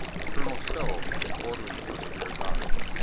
Colonel Stow had the ordering of the rear guard.